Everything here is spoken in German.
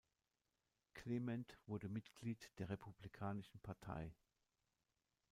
Clement wurde Mitglied der Republikanischen Partei.